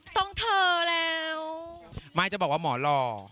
ต้องเธอแล้วไม่จะบอกว่าหมอหล่อ